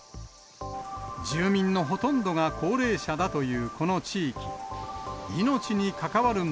住民のほとんどが高齢者だというこの地域。